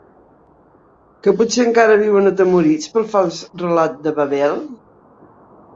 Que potser encara viuen atemorits pel fals relat de Babel?